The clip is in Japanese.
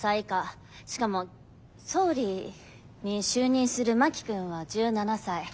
しかも総理に就任する真木君は１７才。